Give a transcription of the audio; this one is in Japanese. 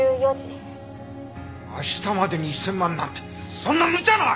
明日までに１０００万なんてそんな無茶な！